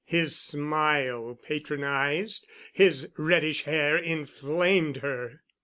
His smile patronized, his reddish hair inflamed her.